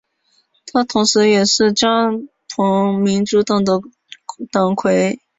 他同时也是加蓬民主党的党魁。